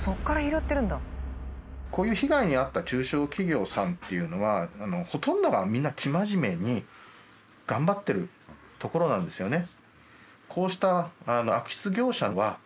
こういう被害に遭った中小企業さんっていうのはほとんどがみんな生真面目に頑張ってるところなんですよね。